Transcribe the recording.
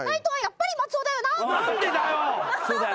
何でだよ！